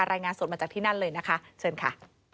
รายงานสดมาจากที่นั่นเลยนะคะเชิญค่ะ